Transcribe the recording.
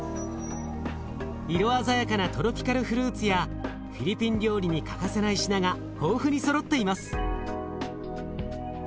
色鮮やかなトロピカルフルーツやフィリピン料理に欠かせない品が豊富にそろっています。